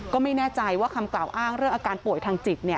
ก็ไม่แน่ใจว่าคำกล่าวอ้างเรื่องอาการป่วยทางจิต